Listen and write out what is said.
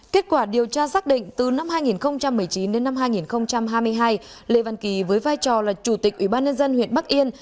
kết quả điều tra xác định từ năm hai nghìn một mươi chín đến năm hai nghìn hai mươi hai lê văn kỳ với vai trò là chủ tịch ủy ban nhân dân huyện bắc yên